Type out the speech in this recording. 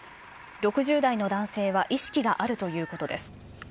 ６０代の男性は意識があるということです。